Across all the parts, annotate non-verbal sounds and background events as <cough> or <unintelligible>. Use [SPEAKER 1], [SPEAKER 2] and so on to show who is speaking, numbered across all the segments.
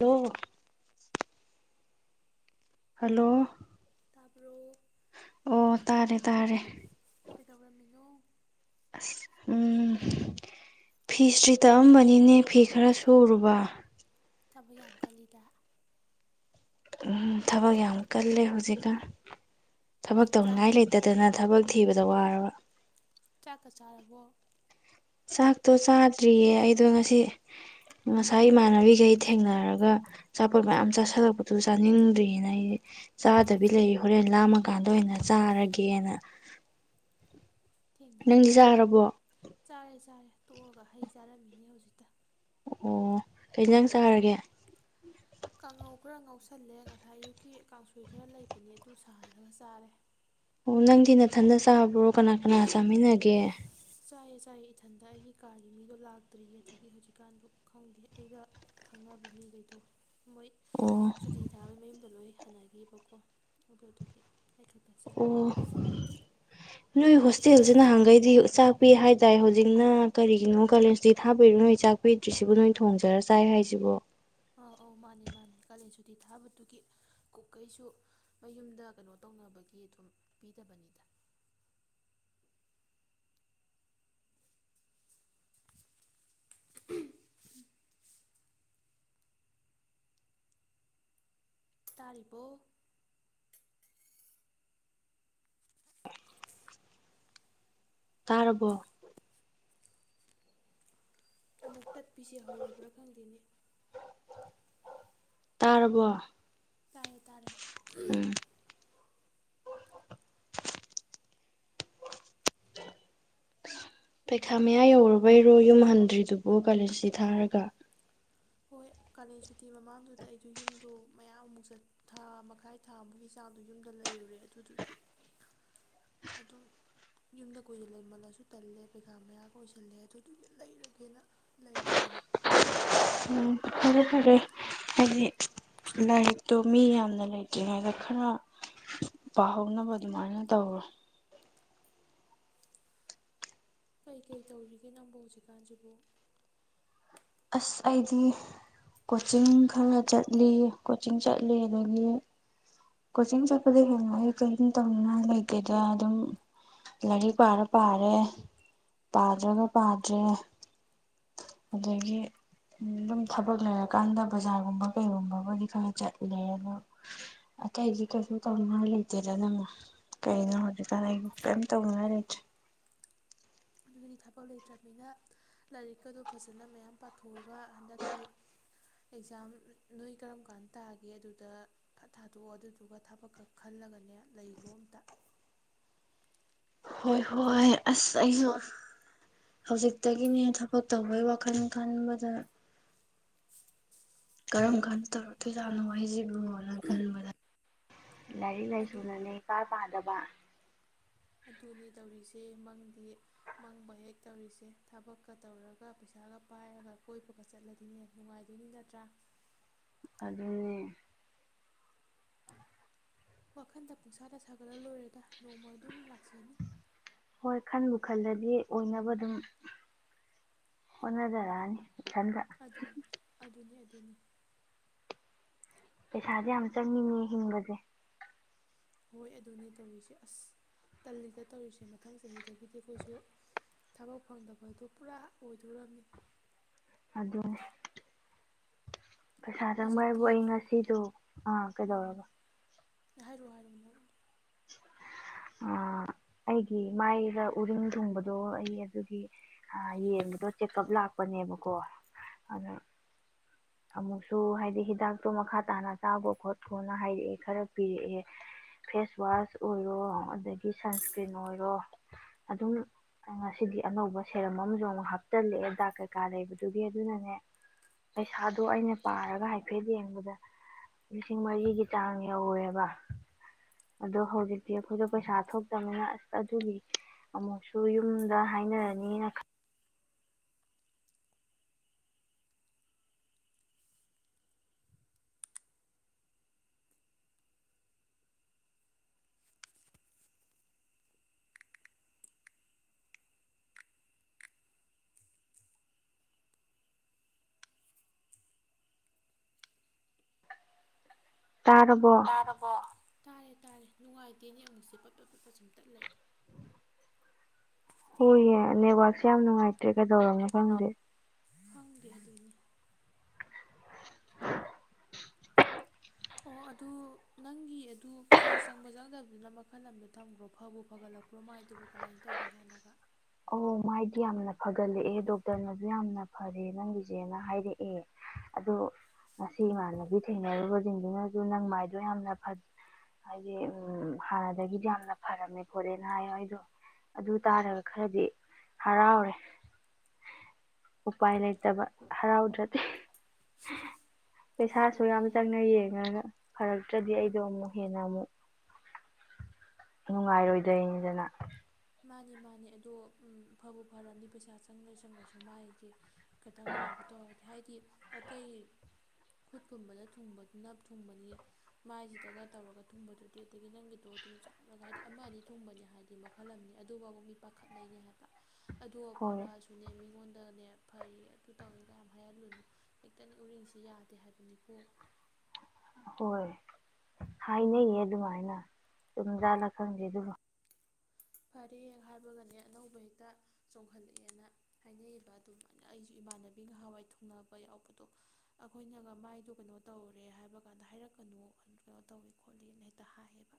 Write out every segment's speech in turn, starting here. [SPEAKER 1] hello hello
[SPEAKER 2] ꯇꯥꯄꯣ
[SPEAKER 1] ꯑꯣ ꯇꯥꯔꯦ ꯇꯥꯔꯦ
[SPEAKER 2] ꯀꯩꯗꯧꯔꯝꯃꯤꯉꯣ
[SPEAKER 1] ꯑꯁ ꯎꯝ ꯐꯤꯁ꯭ꯔꯤ ꯇꯛꯑꯝꯕꯅꯤꯅꯦ ꯐꯤ ꯈꯔ ꯁꯨꯔꯨꯕ
[SPEAKER 2] ꯊꯕ ꯌꯥꯝ ꯈꯜꯂꯤꯗ
[SPEAKER 1] ꯎꯝ ꯊꯕꯛ ꯌꯥꯝ ꯀꯜꯂꯦ ꯍꯧꯖꯤꯛꯀ ꯊꯕꯛ
[SPEAKER 2] ꯆꯥꯛ
[SPEAKER 1] ꯇꯧꯅꯤꯡꯉꯥꯏ ꯂꯩꯇꯗꯅ ꯊꯕꯛ ꯊꯤꯕꯗ ꯋꯥꯔꯕ
[SPEAKER 2] ꯆꯥꯛꯀ ꯆꯥꯔꯕꯣ
[SPEAKER 1] ꯆꯥꯛꯇꯣ ꯆꯥꯗ꯭ꯔꯤꯌꯦ ꯑꯩꯗꯣ ꯉꯁꯤ ꯉꯁꯥꯏ ꯏꯃꯥꯟꯅꯕꯤꯈꯩ ꯊꯦꯡꯅꯔꯒ ꯑꯆꯥꯄꯣꯠ ꯃꯌꯥꯝ ꯆꯥꯥꯁꯜꯂꯛꯄꯗꯨ ꯆꯥꯅꯤꯡꯗ꯭ꯔꯤꯑꯅ ꯑꯩ ꯆꯥꯗꯕꯤ ꯂꯩ ꯍꯣꯔꯦꯟ ꯂꯥꯝꯃꯀꯥꯟꯗ ꯑꯣꯏꯅ ꯆꯥꯔꯒꯦꯅ
[SPEAKER 2] ꯊ ꯊ
[SPEAKER 1] ꯅꯪꯗꯤ ꯆꯥꯔꯕꯣ
[SPEAKER 2] ꯆꯔꯦ ꯆꯔꯦ ꯇꯣꯛꯑꯒ ꯍꯩ ꯆꯥꯔꯝꯃꯤꯅꯦ ꯍꯧꯖꯤꯛꯇ
[SPEAKER 1] ꯑꯣ ꯀꯖꯪ ꯆꯔꯒꯦ
[SPEAKER 2] ꯀꯥꯡꯉꯧ ꯈꯔ ꯉꯧꯁꯜꯂꯦ ꯉꯁꯥꯏ ꯑꯌꯨꯛꯀꯤ ꯀꯥꯡꯁꯣꯏ ꯈꯔ ꯂꯩꯕꯅꯦ ꯑꯗꯨ ꯁꯥꯍꯜꯂꯒ ꯆꯥꯔꯦ
[SPEAKER 1] ꯑꯣ ꯅꯪꯗꯤ ꯅꯊꯟꯗ ꯆꯥꯕ꯭ꯔꯣ ꯀꯅꯥ ꯀꯅꯥ ꯆꯥꯃꯤꯟꯅꯒꯦ
[SPEAKER 2] ꯆꯥꯏꯑ ꯆꯥꯏꯌꯦ ꯏꯊꯟꯗ ꯑꯩꯒꯤ ꯀꯥꯔꯒꯤ ꯃꯤꯗꯣ ꯂꯥꯛꯇ꯭ꯔꯤꯌꯦ ꯑꯗꯒꯤ ꯍꯧꯖꯤꯛꯀꯥꯟꯗꯣ ꯈꯪꯗꯦ ꯑꯩꯒ ꯈꯪꯅꯕ ꯃꯤꯈꯩꯗꯣ ꯃꯣꯏ
[SPEAKER 1] ꯑꯣ
[SPEAKER 2] ꯁꯨꯇꯤ ꯊꯥꯕꯒꯤ ꯃꯌꯨꯝꯗ ꯂꯣꯏ ꯐꯅꯈꯤꯕꯀꯣ ꯑꯗꯨꯗꯨꯒꯤ ꯑꯩꯊꯛꯇ ꯆꯥꯔꯤ
[SPEAKER 1] ꯑꯣ ꯅꯣꯏ ꯍꯣꯁꯇꯦꯜꯁ ꯅꯍꯥꯟꯈꯩꯗꯤ ꯆꯥꯛ ꯄꯤ ꯍꯥꯏꯇꯥꯔꯦ ꯍꯧꯖꯤꯛꯅ ꯀꯔꯤꯒꯤꯅꯣ ꯀꯂꯦꯖꯇ ꯊꯥꯕꯤꯔꯣ ꯅꯣꯏ ꯆꯥꯛ ꯄꯤꯗ꯭ꯔꯤꯁꯤꯕꯨ ꯅꯣꯏ ꯊꯣꯡꯖꯔ ꯆꯥꯏ ꯍꯥꯏꯁꯤꯕꯣ
[SPEAKER 2] ꯑꯧ ꯑꯧ ꯃꯥꯅꯦ ꯃꯥꯅꯤ ꯀꯥꯂꯦꯟ ꯁꯨꯇꯤ ꯊꯥꯕꯗꯨꯒꯤ ꯀꯣꯛꯀꯩꯁꯨ ꯃꯌꯨꯝꯗ ꯀꯩꯅꯣ ꯇꯧꯅꯕꯒꯤ ꯑꯗꯨꯝ ꯄꯤꯗꯕꯅꯤꯗ ꯎꯝ ꯇꯥꯔꯤꯔꯤꯕꯣ
[SPEAKER 1] ꯇꯥꯔꯕꯔꯕꯣ
[SPEAKER 2] ꯑꯃꯨꯛ ꯇꯠꯄꯤꯁꯦ ꯍꯧꯔꯕ꯭ꯔꯥ ꯈꯪꯗꯦꯅꯦ
[SPEAKER 1] ꯇꯥꯔꯔꯕ
[SPEAKER 2] ꯇꯔꯦ ꯇꯔꯦ
[SPEAKER 1] ꯄꯩꯈꯥ ꯃꯌꯥ ꯌꯧꯨꯔꯕꯩꯔꯣ ꯌꯨꯝ ꯍꯟꯗ꯭ꯔꯤꯗꯨꯕꯣ ꯀꯥꯂꯦꯟꯁꯤ ꯊꯥꯔꯒ
[SPEAKER 2] ꯍꯣꯏ ꯀꯥꯂꯦꯟ ꯁꯨꯇꯤ ꯃꯃꯥꯡꯗꯨꯗ ꯑꯩꯗꯣ ꯌꯨꯝꯗꯣ ꯃꯌꯥꯃꯨꯛꯠ ꯊꯥ ꯃꯈꯥꯏ ꯊꯥꯃꯨꯛꯀꯤ ꯆꯥꯡꯗꯣ ꯌꯨꯝꯗ ꯂꯩꯔꯨꯔꯦ ꯑꯗꯨꯗꯨꯒꯤ ꯑꯗꯨꯝ ꯌꯨꯝꯗ ꯀꯨ ꯂꯩꯃꯜꯂꯁꯨ ꯇꯜꯂꯦ ꯄꯩꯈꯥ ꯃꯌꯥ ꯀ ꯑꯣꯏꯁꯜꯂꯦ ꯑꯗꯨꯗꯨꯒꯤ ꯂꯩꯔꯒꯦꯅ ꯂꯩꯔꯕꯅꯤ
[SPEAKER 1] ꯐꯔ ꯐꯔꯦ ꯍꯥꯏꯗꯤ ꯂꯥꯏꯔꯤꯛꯇꯣ ꯃꯤ ꯌꯥꯝꯅ ꯂꯩꯇ꯭ꯔꯤꯉꯩꯗ ꯈꯔ ꯄꯥꯍꯧꯅꯕ ꯑꯗꯨꯃꯥꯏꯅ ꯇꯧꯔꯦ
[SPEAKER 2] ꯀꯩꯀꯩ ꯇꯧꯔꯤꯒꯦ ꯅꯪꯕꯨꯣ ꯍꯧꯖꯤꯛꯀꯥꯟꯁꯤꯕꯨ
[SPEAKER 1] ꯑꯁ ꯑꯩꯗꯤ ꯀꯣꯆꯤꯡ ꯈꯔ ꯆꯠꯂꯤ ꯀꯣꯆꯤꯡ ꯆꯠꯂꯤ ꯑꯗꯒꯤ ꯀꯣꯆꯤꯡ ꯆꯠꯄꯗ ꯍꯦꯡꯉ ꯑꯩ ꯀꯤꯡ ꯇꯧꯅ ꯂꯩꯒꯦꯗ ꯑꯗꯨꯝ ꯂꯥꯏꯔꯤꯛ ꯄꯥꯔ ꯄꯥꯔꯦ ꯄꯥꯗ꯭ꯔꯒ ꯄꯥꯗ꯭ꯔꯦ ꯑꯗꯒꯤ ꯑꯗꯨꯝ ꯊꯕꯛ ꯂꯩꯔꯀꯥꯟꯗ ꯕꯖꯥꯔꯒꯨꯝꯕ ꯀꯩꯒꯨꯝꯕꯕꯨꯗꯤ ꯈꯔ ꯆꯠꯂꯦ ꯑꯗꯣ ꯑꯇꯩꯗꯤ ꯀꯩꯁꯨ ꯇꯧꯅꯤꯡꯉꯥꯏ ꯂꯩꯇꯦꯗ ꯅꯪ ꯀꯩꯅꯣ ꯍꯧꯖꯤꯛꯀꯥꯟ ꯑꯩ ꯀꯔꯤꯝ ꯇꯧꯅꯤꯡꯉꯥꯏ ꯂꯩꯇ꯭ꯔꯦ
[SPEAKER 2] ꯑꯗꯨꯒꯤꯗꯤ ꯊꯕꯛ ꯂꯩꯇ꯭ꯔꯅꯤꯅ ꯂꯥꯏꯔꯤꯛꯀꯗꯣ ꯐꯖꯅ ꯃꯌꯥꯝ ꯄꯥꯊꯣꯛꯑꯒ ꯍꯟꯗꯛꯀꯤ ꯑꯦꯛꯖꯥꯝ ꯅꯣꯏ ꯀꯔꯝ ꯀꯥꯟ ꯇꯥꯒꯦ ꯑꯗꯨꯗ ꯊꯥꯗꯣꯛꯑꯣ ꯑꯗꯨꯗꯨꯒ ꯊꯕꯛꯀ ꯈꯜꯂꯒꯅꯦ ꯂꯩꯈ꯭ꯔꯣ ꯑꯝꯇ
[SPEAKER 1] ꯍꯣꯏ ꯍꯣꯏ ꯑꯁ ꯑꯩꯁꯨ ꯍꯧꯖꯤꯛꯇꯒꯤꯅꯦ ꯊꯕꯛ ꯇꯧꯕꯩ ꯋꯥꯈꯜ ꯈꯟꯕꯗ ꯀꯔꯝ ꯀꯥꯟ ꯇꯧꯔ ꯊꯣꯏꯖꯥꯅꯣ ꯍꯥꯏꯁꯤꯕꯨꯣ ꯀꯔꯕ <unintelligible> ꯂꯩꯥꯏ ꯂꯩ
[SPEAKER 2] ꯑꯗꯨ
[SPEAKER 1] ꯁꯨꯅꯅꯦ ꯀꯔ ꯄꯥꯗꯕ ꯋꯥ
[SPEAKER 2] ꯑꯗꯨꯅꯦ ꯇꯧꯔꯤꯁꯦ ꯃꯪꯗꯤ ꯃꯪꯕ ꯍꯦꯛ ꯇꯧꯔꯤꯁꯦ ꯊꯕꯛꯀ ꯇꯧꯔꯒ ꯄꯩꯁꯥꯒ ꯄꯥꯏꯔꯒ ꯀꯣꯏꯕꯒ ꯆꯠꯂꯗꯤꯅꯦ ꯅꯨꯡꯉꯥꯏꯗꯣꯏꯅꯤ ꯅꯠꯇ꯭ꯔꯥ
[SPEAKER 1] ꯑꯗꯨꯅꯤ
[SPEAKER 2] ꯋꯥꯈꯟꯗ ꯄꯨꯡꯁꯥꯗ ꯁꯥꯒꯠꯂ ꯂꯣꯏꯔꯦꯗ ꯅꯣꯡꯃ ꯑꯗꯨꯝ ꯂꯥꯛꯆꯅꯤ
[SPEAKER 1] ꯍꯣꯏ ꯈꯟꯕꯨ ꯈꯜꯂꯗꯤ ꯑꯣꯏꯅꯕ ꯑꯗꯨꯝ ꯍꯣꯠꯅꯖꯔꯛꯑꯅꯤ ꯏꯊꯟꯗ
[SPEAKER 2] ꯑꯗꯨꯅꯤ ꯑꯗꯨꯅꯤ ꯑꯗꯨꯅꯤ
[SPEAKER 1] ꯁ ꯁꯥꯖꯤꯦ ꯑꯝꯆꯥ ꯃꯤꯅꯤ ꯍꯤꯡꯕꯖꯦ
[SPEAKER 2] ꯍꯣꯏ ꯑꯗꯨꯅꯤ ꯇꯧꯔꯤꯁꯦ ꯑꯁ ꯇꯜꯂꯤꯗ ꯇꯧꯔꯤꯁꯦ ꯃꯊꯪ ꯆꯍꯤꯗꯒꯤꯗꯤ ꯑꯩꯈꯣꯏꯁꯨ ꯊꯕꯛ ꯐꯪꯗꯕꯗꯣ ꯄꯨꯔꯥ ꯑꯣꯏꯗꯣꯔꯝꯅꯤ
[SPEAKER 1] ꯑꯗꯣ ꯄꯩꯁꯥ ꯆꯪꯕ ꯍꯥꯏꯕ
[SPEAKER 2] ꯍꯧꯖꯤꯛꯇꯤ
[SPEAKER 1] ꯑꯩ ꯉꯁꯤꯗ ꯑꯥ ꯀꯩꯗꯧꯔꯕ
[SPEAKER 2] ꯍꯔ ꯋꯥ ꯍꯥꯏꯔꯨꯗ
[SPEAKER 1] ꯑꯩꯒꯤ ꯃꯥꯏꯗ ꯎꯔꯤꯡ ꯊꯨꯡꯕꯗꯣ ꯑꯩ ꯑꯗꯨꯒꯤ ꯌꯦꯡꯕꯗꯣ ꯆꯦꯛꯑꯞ ꯂꯥꯛꯄꯅꯦꯕꯀꯣ ꯑꯗꯣ ꯑꯃꯨꯛꯁꯨ ꯍꯥꯏꯗꯤ ꯍꯤꯗꯥꯛꯇꯣ ꯃꯈꯥ ꯇꯥꯅ ꯆꯥꯕꯣ ꯈꯣꯠꯈꯣꯅ ꯍꯥꯏꯔꯛꯑꯦ ꯈꯔ ꯄꯤꯔꯛꯑꯦ ꯐꯦꯁ ꯋꯥꯁ ꯑꯣꯏꯔꯣ ꯑꯗꯒꯤ ꯁꯟꯁꯀ꯭ꯔꯤꯟ ꯑꯣꯏꯔꯣ ꯑꯗꯨꯝ ꯉꯁꯤꯗꯤ ꯑꯅꯧꯕ ꯁꯦꯔꯝ ꯑꯃꯁꯨ ꯑꯃꯨꯛ ꯍꯥꯞꯆꯜꯂꯛꯑꯦ ꯗꯥꯛ ꯀꯩꯀꯥ ꯂꯩꯕꯗꯨꯒꯤ ꯑꯗꯨꯅꯅꯦ ꯄꯩꯁꯥꯗꯣ ꯑꯩꯅ ꯄꯥꯔꯒ ꯍꯥꯏꯐꯦꯠ ꯌꯦꯡꯕꯗ ꯂꯤꯁꯤꯡ ꯃꯔꯤꯒꯤ ꯆꯥꯡ ꯌꯧꯋꯦꯕ ꯑꯗꯣ ꯍꯧꯖꯤꯛꯇꯤ ꯑꯩꯈꯣꯏꯗ ꯄꯩꯁꯥ ꯊꯣꯛꯇꯅꯤꯅ ꯑꯁ ꯑꯗꯨꯒꯤ ꯑꯃꯨꯛꯁꯨ ꯌꯨꯝꯗ ꯍꯥꯏꯅꯔꯅꯤꯅ ꯈꯂ ꯇꯥꯔꯕꯔꯕꯣ
[SPEAKER 2] ꯇꯥꯔꯕꯣ ꯇꯥꯔꯦ ꯇꯥꯔꯦ ꯅꯨꯡꯉꯥꯏꯇꯦꯅꯦ ꯑꯃꯨꯛꯁꯦ ꯄꯠꯄ ꯄꯠꯄ ꯁꯨꯝꯇꯠ ꯂꯩ
[SPEAKER 1] ꯍꯌꯦ ꯅꯦꯁꯤ ꯌꯥꯝ ꯅꯨꯡꯉꯥꯏ ꯠꯇ ꯀꯩꯗꯧꯔꯝꯅꯣ
[SPEAKER 2] ꯀꯩꯗꯧ
[SPEAKER 1] ꯈꯪꯗꯦ
[SPEAKER 2] ꯈꯪꯗꯦ ꯑꯗꯨꯅꯤ ꯑꯣ ꯑꯗꯨ ꯅꯪꯒꯤ ꯑꯗꯨ ꯄꯩꯁꯥ ꯆꯪꯕ ꯆꯪꯗꯕꯗꯨꯅ ꯃꯈꯜ ꯑꯃꯗ ꯊꯈ꯭ꯔꯣ ꯐꯕꯨ ꯐꯒꯠꯂꯛꯄ꯭ꯔꯣ ꯃꯥꯏꯗꯨꯕꯨ ꯀꯃꯥꯏꯅ ꯇꯧꯒꯦ ꯍꯥꯟꯅꯒ
[SPEAKER 1] ꯑꯣ ꯃꯥꯏꯗꯤ ꯌꯥꯝꯅ ꯐꯒꯠꯂꯛꯑꯦ ꯗꯣꯛꯇꯔꯅꯁꯨ ꯌꯥꯝꯅ ꯐꯔꯦ ꯅꯪꯒꯤꯆꯦꯅ ꯍꯥꯏꯔꯛꯑꯦ ꯑꯗꯣ ꯉꯁꯤ ꯏꯃꯥꯟꯅꯕꯤ ꯊꯦꯡꯅꯔꯨꯔꯤꯕꯁꯤꯡꯗꯨꯅꯁꯨ ꯅꯪ ꯃꯥꯏꯗꯣ ꯌꯥꯝꯅ ꯍꯥꯏꯗꯤ ꯍꯥꯟꯅꯗꯒꯤꯗꯤ ꯌꯥꯝꯅ ꯐꯔꯝꯃꯦ ꯈꯣꯠꯂꯦꯅ ꯍꯥꯏꯌꯣ ꯑꯩꯗꯣ ꯑꯗꯨ ꯇꯥꯔꯒ ꯈꯔꯗꯤ ꯍꯔꯥꯎꯔꯦ ꯎꯄꯥꯏ ꯂꯩꯇꯕ ꯍꯔꯥꯎꯗ꯭ꯔꯗꯤ ꯄꯩꯁꯥꯁꯨ
[SPEAKER 2] ꯐꯕꯨ
[SPEAKER 1] ꯌꯥꯝ
[SPEAKER 2] ꯐꯔꯦ
[SPEAKER 1] ꯆꯪꯅ ꯌꯦꯡꯉꯒ ꯐꯔꯛꯇ꯭ꯔꯗꯤ ꯑꯩꯗꯣ ꯑꯃꯨꯛ ꯍꯦꯟꯅ ꯑꯃꯨꯛ ꯅꯨꯡꯉꯥꯏꯔꯣꯏꯗꯣꯏꯅꯤꯗꯅ
[SPEAKER 2] ꯃꯥꯅꯦ ꯃꯥꯅꯦ ꯑꯗꯣ ꯐꯕꯨ ꯐꯔꯕꯅꯤ ꯄꯩꯁꯥ ꯆꯪꯉ ꯆꯪꯉꯁꯨ ꯃꯥꯏꯁꯦ ꯈꯤꯇꯪꯒꯅꯧꯕ ꯇꯧꯔꯗꯤ ꯍꯥꯏꯗꯤ ꯑꯇꯩ ꯈꯨꯠꯀꯨꯝꯕꯗ ꯊꯨꯡꯕꯗꯨꯅ ꯊꯨꯡꯕꯅꯤ ꯃꯥꯏꯁꯤꯗꯒ ꯇꯧꯔꯒ ꯊꯨꯡꯕꯗꯨꯗꯤ ꯑꯗꯒꯤ ꯅꯪꯒꯤꯗꯣ ꯑꯗꯨꯝ ꯆꯥꯂꯒ ꯍꯥꯏꯗꯤ ꯑꯃ ꯑꯅꯤ ꯊꯨꯡꯕꯅꯤ ꯍꯥꯏꯕꯗꯤ ꯃꯈ ꯀꯍꯜꯂꯝꯅꯤ ꯑꯗꯨꯐꯕ ꯃꯤ ꯄꯥꯈꯠꯅꯩꯅꯤ ꯍꯥꯏꯕ ꯑꯗ
[SPEAKER 1] ꯍꯣꯏ
[SPEAKER 2] ꯐꯔꯥꯁꯨꯅꯦ ꯃꯤꯉꯣꯟ ꯇꯅꯦ ꯐꯔ ꯑꯗꯨ ꯇꯧꯋꯦ ꯀꯌꯥꯝ ꯍꯥꯏꯍꯜꯂꯨꯅꯣ ꯍꯦꯛꯇꯅꯦ ꯎꯔꯤꯡꯁꯤ ꯌꯥꯗꯦ ꯍꯥꯏꯕꯅꯤꯀꯣ
[SPEAKER 1] ꯍꯣꯏ ꯍꯥꯏꯅꯩꯌꯦ ꯑꯗꯨꯃꯥꯏꯅ ꯁꯨꯝꯖꯥꯜꯂ ꯈꯪꯗꯦ ꯑꯗꯨꯕꯨ
[SPEAKER 2] ꯐꯔꯦ ꯍꯥꯏꯕꯒꯅꯦ ꯑꯅꯧꯕ ꯍꯦꯛꯇ ꯆꯣꯡꯈꯠꯂꯛꯑꯦꯅ ꯍꯥꯏꯅꯩꯌꯦꯕ ꯑꯗꯨꯃꯥꯏꯅ ꯑꯩꯁꯨ ꯏꯃꯥꯟꯅꯕꯤꯒ ꯍꯋꯥꯏ ꯊꯨꯡꯅꯕ ꯌꯥꯎꯕꯗꯣ ꯑꯩꯈꯣꯏꯅꯒ ꯃꯥꯏꯗꯣ ꯀꯩꯅꯣ ꯇꯧꯔꯦ ꯍꯥꯏꯕ ꯀꯥꯟꯗ ꯍꯥꯏꯔꯛꯀꯅꯨ ꯀꯩꯅꯣ ꯇꯧꯋ ꯈꯣꯠꯂꯤꯅ ꯍꯦꯛꯇ ꯍꯥꯏꯌꯦꯕ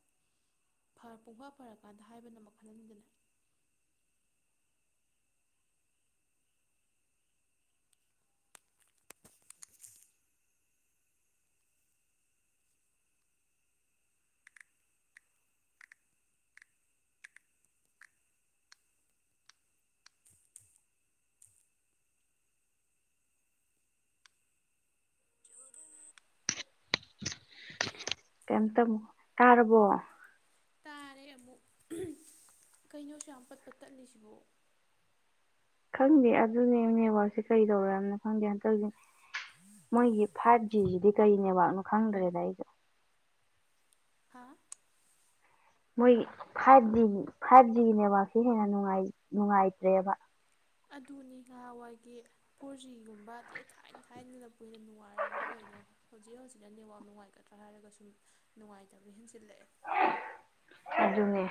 [SPEAKER 2] ꯄꯨꯡꯐꯥ ꯐꯔꯀꯥꯟꯗ ꯍꯥꯏꯕꯅ ꯐꯗ
[SPEAKER 1] ꯀꯝꯇ ꯇꯥꯔꯔꯕꯣ
[SPEAKER 2] ꯇꯥꯔꯦ ꯑꯃꯨꯛ ꯀꯩꯅꯣꯁꯨ ꯌꯥꯝ ꯄꯠꯄ ꯇꯠꯂꯤꯁꯤꯕ
[SPEAKER 1] ꯈꯪꯗꯦ ꯑꯗꯨꯅꯦ ꯅꯦꯠꯋꯥꯛꯛꯁꯦ ꯀꯔꯤ ꯇꯧꯔꯝꯅꯣ ꯈꯪꯗꯦ ꯍꯟꯇꯛꯁꯤ ꯃꯣꯏꯒꯤ ꯐꯥꯏꯚ ꯖꯤꯁꯤꯗꯤ ꯀꯔꯤ ꯅꯦꯠꯋꯥꯛꯅꯣ ꯈꯪꯗ꯭ꯔꯦꯗ ꯑꯩꯁꯨ
[SPEAKER 2] ꯍꯥ
[SPEAKER 1] ꯃꯣꯏꯒꯤ ꯐꯥꯏꯚ ꯖꯤ ꯐꯥꯏꯚ ꯖꯤꯒꯤ ꯅꯦꯠꯋꯥꯛꯁꯤꯦ ꯍꯦꯟꯅ ꯅꯨꯡꯉꯥꯏꯇ꯭ꯔꯦꯕ
[SPEAKER 2] ꯑꯗꯨꯅꯤ ꯅꯍꯥꯟꯋꯥꯏꯒꯤ ꯐꯣꯔ ꯖꯤꯒꯨꯝꯕ ꯑꯩ ꯊꯥꯏꯅ ꯊꯥꯏꯅ ꯂꯄꯅꯤꯅ ꯅꯨꯡꯉꯥꯏꯔꯕ꯭ꯔꯥ ꯀꯩꯅꯣ ꯍꯧꯖꯤꯛ ꯍꯧꯖꯤꯛꯅ ꯅꯦꯠꯋꯥꯛ ꯅꯨꯡꯉꯥꯏꯒꯗ꯭ꯔꯥ ꯍꯥꯏꯔꯒ ꯁꯨꯝ ꯅꯨꯡꯉꯥꯏꯇꯕ ꯍꯦꯟꯖꯤꯜꯂꯛꯑꯦ
[SPEAKER 1] ꯑꯗꯨꯅꯦ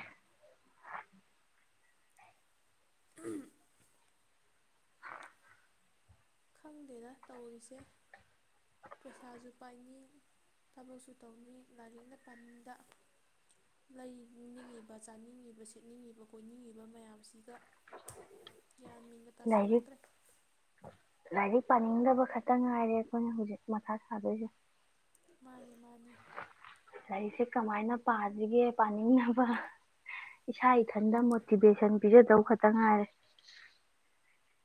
[SPEAKER 2] ꯎꯝ ꯈꯪꯗꯦꯅ ꯇꯧꯔꯤꯁꯦ ꯄꯩꯁꯥꯁꯨ ꯄꯥꯏꯅꯤ ꯊꯕꯛꯁꯨ ꯇꯧꯅꯤ ꯂꯥꯏꯔꯤꯛꯅ ꯄꯥꯅꯤꯡꯗ ꯂꯩꯅꯤꯡꯉꯤꯕ ꯆꯥꯅꯤꯡꯉꯤꯕ ꯁꯦꯠꯅꯤꯡꯉꯤꯕ ꯀꯣꯏꯅꯤꯡꯉꯤꯕ ꯃꯌꯥꯝꯁꯤꯒ ꯌꯥꯟꯃꯤꯒ
[SPEAKER 1] ꯂꯥꯏꯔꯤꯛ
[SPEAKER 2] ꯇꯥꯁꯤꯜꯂꯛꯇ꯭ꯔꯦ
[SPEAKER 1] ꯂꯥꯏꯔꯤꯛ ꯄꯥꯅꯤꯡꯗꯕ ꯈꯛꯇ ꯉꯥꯏꯔꯦ ꯑꯩꯈꯣꯏꯅ ꯍꯧꯖꯤꯛ ꯃꯥ ꯁꯥꯗꯣꯏꯁꯦ
[SPEAKER 2] ꯃꯥꯅꯤ ꯃꯥꯅꯤ
[SPEAKER 1] ꯂꯥꯏꯔꯤꯛꯁꯦ ꯀꯃꯥꯏꯅ ꯄꯥꯁꯤꯒꯦ ꯄꯥꯅꯤꯡꯅꯕ ꯏꯁꯥ ꯏꯊꯟꯗ ꯃꯣꯇꯤꯚꯦꯁꯟ ꯄꯤꯖꯗꯧ ꯈꯛꯇ ꯉꯥꯏꯔꯦ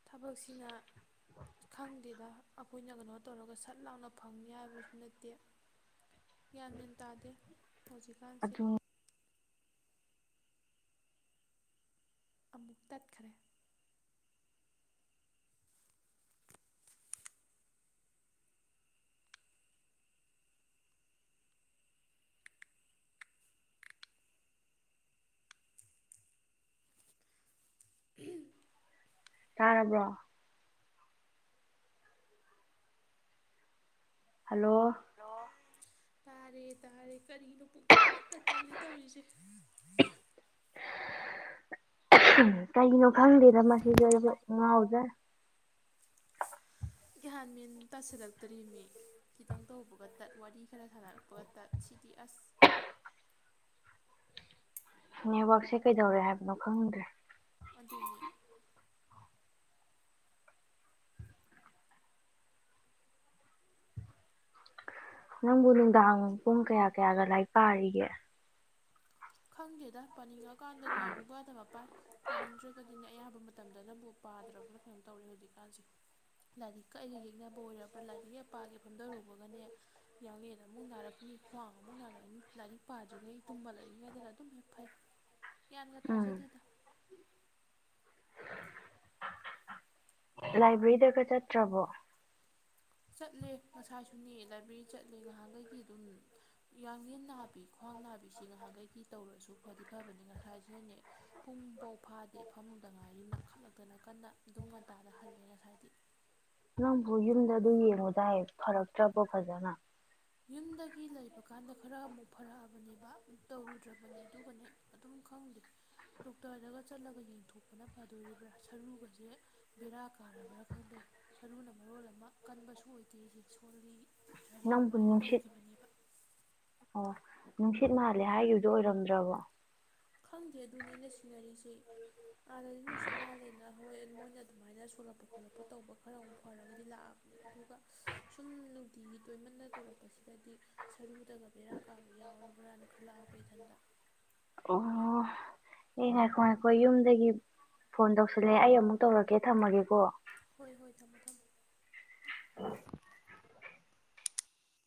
[SPEAKER 2] ꯊꯕꯛꯁꯤꯅ ꯈꯪꯗꯦꯗ ꯑꯩꯈꯣꯏꯅ ꯀꯩꯅꯣ ꯇꯧꯔꯒ ꯁꯠ ꯂꯥꯡꯅ ꯐꯪꯅꯤ ꯍꯥꯏꯕꯁꯨ ꯅꯠꯇꯦ ꯌꯥꯟꯃꯦꯟ ꯇꯥꯗꯦ ꯍꯧꯖꯤꯛꯀꯥꯟꯁꯦ
[SPEAKER 1] ꯑꯗꯨ
[SPEAKER 2] ꯑꯃꯨꯛ ꯇꯠꯈ꯭ꯔꯦ
[SPEAKER 1] ꯇꯥꯔꯔꯕ꯭ꯔꯣ ꯍꯜꯂꯣ
[SPEAKER 2] ꯍꯜꯂꯣ ꯇꯥꯔꯦ ꯇꯥꯔꯦ ꯀꯔꯤꯅꯣ ꯄ ꯇꯧꯔꯤꯁꯦ
[SPEAKER 1] ꯀꯥꯏꯒꯤꯅ ꯈꯪꯗꯔ ꯃꯁꯤꯁꯨ ꯑꯩꯁꯨ ꯉꯥꯎꯗ꯭ꯔꯥ
[SPEAKER 2] ꯒ꯭ꯍꯥꯟ ꯃꯤꯦꯟ ꯇꯠꯁꯤꯜꯂꯛꯇꯣꯔꯤꯃꯤ ꯈꯤꯇꯪ ꯇꯧꯕꯒ ꯇꯠ ꯋꯥꯔꯤ ꯈꯔ ꯁꯥꯟꯅꯔꯛꯄꯒ ꯇꯠ ꯁꯤꯗꯤ ꯑꯁ
[SPEAKER 1] ꯅꯦꯠꯋꯥꯛꯁꯦ ꯀꯩꯗꯧꯔꯦ ꯍꯥꯏꯕꯅꯣ ꯈꯪꯗ꯭ꯔꯦ
[SPEAKER 2] ꯑꯗꯨꯅꯤ
[SPEAKER 1] ꯅꯪꯕꯨ ꯅꯨꯡꯗꯥꯡ ꯄꯨꯡ ꯀꯌꯥ ꯀꯌꯥꯗ ꯂꯥꯏꯔꯤꯛ ꯄꯥꯔꯤꯒꯦ
[SPEAKER 2] ꯈꯪꯒꯦꯗ ꯄꯥꯅꯤꯡꯉꯀꯥꯟꯗꯅ ꯑꯃꯕꯨꯛ ꯋꯥꯊꯕ ꯄꯥꯏ ꯄꯥꯅꯤꯡꯗ꯭ꯔꯒꯗꯤꯅꯦ ꯑꯌꯥꯝꯕ ꯃꯇꯝꯗꯅꯕꯨ ꯄꯥꯗ꯭ꯔꯕ꯭ꯔꯥ ꯀꯩꯅꯣꯝ ꯇꯧꯔ ꯍꯧꯖꯤꯛꯀꯥꯟꯁꯦ ꯂꯥꯏꯔꯤꯛ ꯀꯛꯒ ꯌꯦꯛꯅꯕ ꯕ ꯑꯣꯏꯣꯏꯔꯕ꯭ꯔꯥ ꯂꯥꯏꯔꯤꯛ ꯍ ꯄꯥꯒꯦ ꯐꯝꯗꯔꯨꯕꯒꯅꯦ ꯌꯥꯡꯂꯟ ꯑꯃꯨꯛ ꯅꯥꯔꯛꯅꯤ ꯈ꯭ꯋꯥꯡ ꯑꯃꯨꯛ ꯅꯥꯔꯛꯅꯤ ꯂꯥꯏꯔꯤꯛ ꯄꯥꯗ꯭ꯔꯤꯉꯩ ꯇꯨꯝꯕ ꯗꯅ ꯑꯗꯨꯝ ꯍ ꯐꯩ ꯌꯥ꯭ꯟꯒ
[SPEAKER 1] ꯎꯝ
[SPEAKER 2] ꯇꯥꯖꯗꯦꯗ
[SPEAKER 1] ꯂꯥꯏꯕ꯭ꯔꯦꯔꯤꯗꯒ ꯆꯠꯇ꯭ꯔꯕꯣ
[SPEAKER 2] ꯆꯠꯂꯦ ꯉꯁꯥꯏꯁꯨꯅꯦ ꯂꯥꯏꯕ꯭ꯔꯦꯔꯤ ꯆꯠꯂꯦ ꯉꯍꯥꯟꯈꯩꯗꯤ ꯑꯗꯨꯝ ꯌꯥꯡꯡꯂꯟ ꯅꯥꯕꯤ ꯈ꯭ꯋꯥꯡ ꯅꯥꯕꯤꯁꯤ ꯉꯍꯥꯛꯈꯩꯒꯤ ꯇꯧꯔꯁꯨ ꯈꯣꯏꯗꯤ ꯐꯕꯅꯤ ꯉꯁꯥꯏꯁꯤꯅꯅꯦ ꯄꯨꯡꯥꯎ ꯐꯥꯗꯦ ꯐꯝꯗ ꯉꯥꯏꯔꯤꯅ ꯀꯥꯈꯠꯂꯛꯇꯅ ꯀꯟꯅ ꯑꯗꯨꯝ ꯉꯟꯇꯥꯗ ꯍꯜꯂꯦ ꯉꯁꯥꯏꯗꯤ
[SPEAKER 1] ꯅꯪꯕꯨ ꯌꯨꯝꯗ ꯑꯗꯨ ꯌꯦꯡꯉꯨꯗꯏ ꯐꯔꯛꯇ꯭ꯔꯕꯣ ꯐꯖꯅ
[SPEAKER 2] ꯌꯨꯝꯗꯒꯤ ꯂꯩꯕꯀꯥꯟꯗ ꯈꯔ ꯑꯃꯨꯛ ꯐꯔꯛꯑꯕꯅꯦꯕ ꯇꯧꯔꯨꯗ꯭ꯔꯕꯅꯦ ꯑꯗꯨꯒꯅꯦ ꯑꯗꯨꯝ ꯈꯪꯗꯦ ꯗꯣꯛꯇꯔꯗꯒ ꯆꯠꯂꯒ ꯌꯦꯡꯊꯣꯛꯄꯅ ꯐꯗꯣꯔꯤꯕ꯭ꯔꯥ ꯁꯔꯨꯒꯁꯦ ꯕꯦꯔꯥ ꯀꯥꯔꯕ꯭ꯔꯥ ꯈꯪꯗꯦ ꯁꯔꯨꯅ ꯃꯔꯣꯜ ꯑꯃ ꯀꯟꯕꯁꯨ ꯑꯣꯏꯗꯦ ꯑꯩꯁꯦ ꯁꯣꯜꯂꯤ ꯁꯔꯤ
[SPEAKER 1] ꯄꯨꯟꯁꯤ ꯑꯣ ꯅꯨꯡꯁꯤꯠ ꯃꯥꯜꯂꯦ ꯍꯥꯏꯈꯤꯕꯗꯨꯣ ꯑꯣꯏꯔꯝꯗ꯭ꯔꯕꯣ
[SPEAKER 2] ꯈꯪꯗꯦ ꯑꯗꯨꯅꯦꯅꯦ ꯁꯤꯅꯔꯤꯁꯤ ꯑꯥꯗꯗꯤ ꯅꯨꯡꯁꯤꯠ ꯃꯥꯜꯂꯦꯅ ꯍꯣꯏ ꯃꯣꯏꯅ ꯑꯗꯨꯃꯥꯏꯅ ꯁ ꯁꯣꯂꯛꯄ ꯈꯣꯠꯂꯛꯄ ꯇꯧꯕ ꯈꯔ ꯑꯃ ꯐꯔꯒꯗꯤ ꯂꯥꯛꯑꯕꯅꯦ ꯑꯗꯨꯒ ꯁꯨꯝ ꯅꯨꯡꯇꯤꯒꯤ ꯇꯣꯏꯃꯟꯅ ꯇꯧꯔꯛꯄꯁꯤꯗꯗꯤ ꯁꯔꯨ ꯑꯗꯨꯒ ꯕꯦꯔꯥ ꯀꯥꯕ ꯌꯥꯎꯔꯕ꯭ꯔꯥꯅ ꯈꯜꯂꯛꯑꯕ ꯏꯊꯟꯗ
[SPEAKER 1] ꯑꯦ ꯉꯥꯏꯈꯣ ꯉꯥꯏꯈꯣ ꯌꯨꯝꯗꯒꯤ ꯐꯣꯟ ꯇꯧꯁꯜꯂꯦ ꯑꯩ ꯑꯃꯨꯛ ꯇꯧꯔꯛꯀꯦ ꯊꯝꯃꯒꯦꯀꯣ
[SPEAKER 2] ꯍꯣꯏ ꯍꯣꯏ ꯊꯝꯃꯣ ꯊꯝꯃꯣ